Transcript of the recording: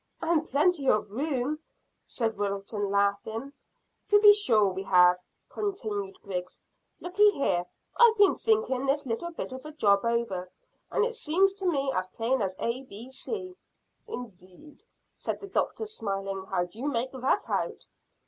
"And plenty of room," said Wilton, laughing. "To be sure we have," continued Griggs. "Lookye here, I've been thinking this little bit of a job over, and it seems to me as plain as A B C." "Indeed!" said the doctor, smiling. "How do you make that out?"